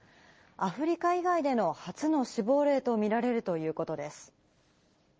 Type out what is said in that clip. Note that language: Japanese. アフリカ以外での初の死亡例と見られるということです。